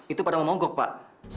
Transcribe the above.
itu pada memonggok pak